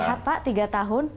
sehat pak tiga tahun